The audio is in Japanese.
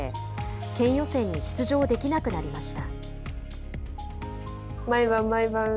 県予選に出場できなくなりました。